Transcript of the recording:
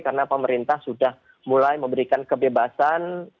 karena pemerintah sudah mulai memberikan kebebasan